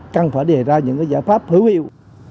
chẳng phải đề ra những giải pháp hữu hiệu